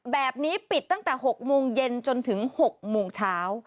แบบนี้ปิดตั้งแต่๖โมงเย็นจนถึง๖โมงเช้า